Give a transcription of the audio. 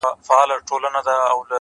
دي مــــړ ســي ـ